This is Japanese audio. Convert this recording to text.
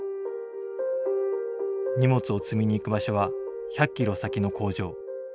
荷物を積みに行く場所は１００キロ先の工場。